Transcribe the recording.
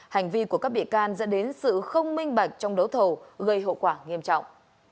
hành vi của các bị can dẫn đến sự không minh bạch trong đấu thầu gây hậu quả nghiêm trọng